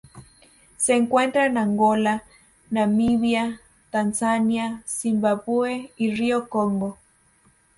Se encuentra en Angola, Namibia, Tanzania, Zimbabue y río Congo.